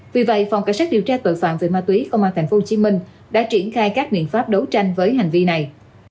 vì vậy phòng cảnh sát điều tra tội phạm về ma túy công an tp hcm đã triển khai các biện pháp đấu tranh với hành vi này